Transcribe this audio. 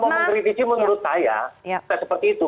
mau mengkritisi menurut saya seperti itu